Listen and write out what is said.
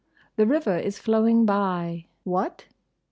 The river is flowing by—What?